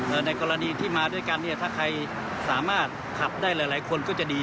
ในกรณีที่มาด้วยกันเนี่ยถ้าใครสามารถขับได้หลายหลายคนก็จะดี